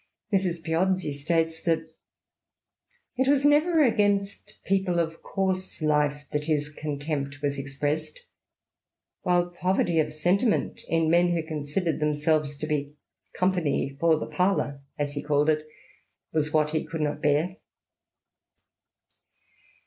Mrs. Piozzi states that " it was never against people of coarse life that his contempt was expressed, while poverty of sen timent in men who considered themselves to be company far the parhur, as he called it, was what he would not bear."